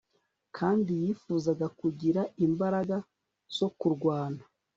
Kandi yifuzaga kugira imbaraga zo kurwana